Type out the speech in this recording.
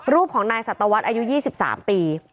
รูปของนายสัตวรรษอายุ๒๓ปี